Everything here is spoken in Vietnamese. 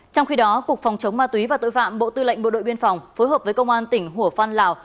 trong khi đó cục phòng chống ma túy và tội phạm bộ tư lệnh bộ đội biên phòng phối hợp với công an tỉnh hủa phan lào